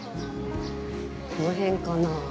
この辺かな？